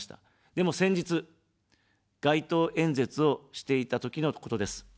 でも、先日、街頭演説をしていたときのことです。